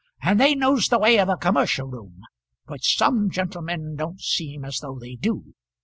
And they knows the way of a commercial room which some gentlemen don't seem as though they do.